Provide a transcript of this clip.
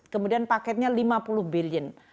kemudian paketnya lima puluh billion